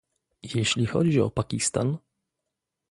Jeśli chodzi o Pakistan